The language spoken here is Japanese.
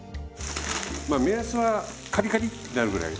まあ目安はカリカリってなるぐらい。